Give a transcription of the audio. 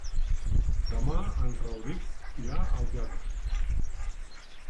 Demà en Rauric irà al teatre.